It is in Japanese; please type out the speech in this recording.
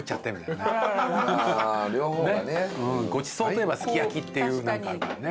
うんごちそうといえばすき焼きっていう何かあるからね。